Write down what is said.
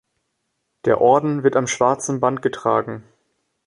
Der Orden wird am schwarzen Band getragen.